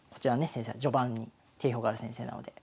先生は序盤に定評がある先生なので。